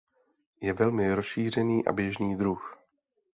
Je velmi rozšířený a běžný druh.